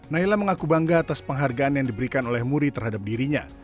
naila mengaku bangga atas penghargaan yang diberikan oleh muri terhadap dirinya